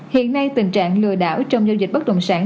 hiện nay tình trạng lừa đảo trong giao dịch bất động sản